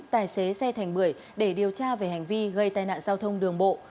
tài xế xe thành bưởi để điều tra về hành vi gây tai nạn giao thông đường bộ